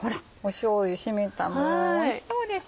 しょうゆ染みたのがおいしそうでしょ。